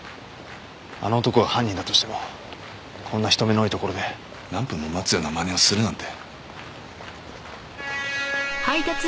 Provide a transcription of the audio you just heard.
あの男が犯人だとしてもこんな人目の多いところで何分も待つようなまねをするなんて。